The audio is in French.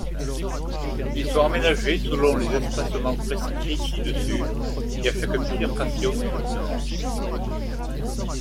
Ils sont aménagés selon les espacements prescrits ci-dessus et à chaque bifurcation du cheminement.